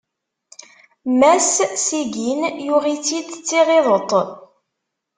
Mass Seguin yuɣ-itt-id d tiɣideṭ.